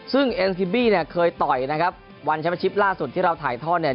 ซึ่งเอ็นกิมบี้เคยต่อยวันชมชิปล่าสุดที่เราถ่ายท่อน